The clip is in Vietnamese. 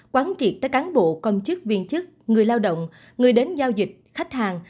quán triệt tới cán bộ công chức viên chức người lao động người đến giao dịch khách hàng